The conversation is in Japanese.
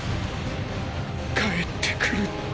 帰ってくるって。